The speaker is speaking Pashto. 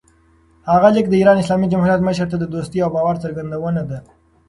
هغه لیک د ایران اسلامي جمهوریت مشر ته د دوستۍ او باور څرګندونه ده.